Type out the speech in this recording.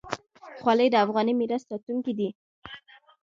خولۍ د افغاني میراث ساتونکې ده.